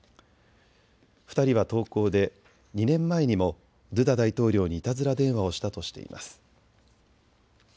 ２人は投稿で２年前にもドゥダ大統領にいたずら電話をしたとしています。